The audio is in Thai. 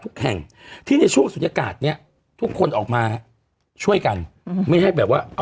อืมอืมอืมอืมอืมอืมอืม